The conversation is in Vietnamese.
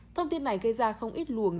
thông tin này gây ra không ít luồng